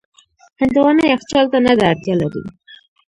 هندوانه یخچال ته نه ده اړتیا لري.